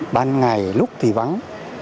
ban ngày lúc thì vắng